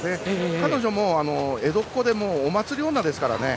彼女も江戸っ子でお祭り女ですからね。